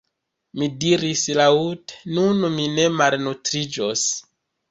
Mi diris laŭte: “nun mi ne malnutriĝos! »